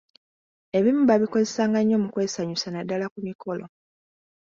Ebimu baabikozesanga nnyo mu kwesanyusa naddala ku mikolo.